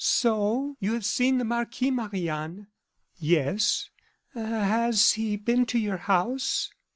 "So you have seen the marquis, Marie Anne?" "Yes." "Has he been to your house?"